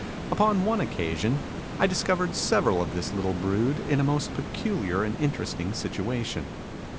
Upon one occasion I discovered several of this little brood in a most peculiar and interesting situation.